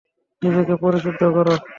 নিজেকে পরিশুদ্ধ করো।